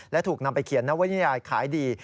และถูกนำไปเขียนหน้าวิญญาณขายดี